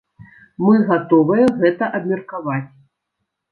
Мы гатовыя гэта абмеркаваць.